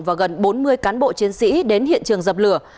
và gần bốn mươi cán bộ chiến sĩ đến hiện trường dập lửa